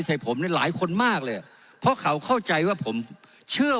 ใส่ผมเนี่ยหลายคนมากเลยอ่ะเพราะเขาเข้าใจว่าผมเชื่อ